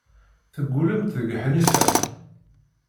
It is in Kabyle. Teggullemt deg Ḥnifa.